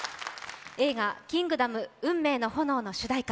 映画「キングダム運命の炎」の主題歌